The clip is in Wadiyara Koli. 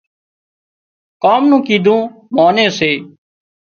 ڪام نون ڪيڌون ماني سي